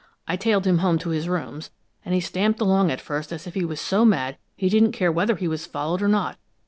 I tailed him home to his rooms, and he stamped along at first as if he was so mad he didn't care whether he was followed or not.